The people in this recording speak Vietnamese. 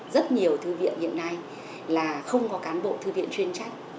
rất nhiều thư viện hiện nay là không có cán bộ thư viện chuyên trách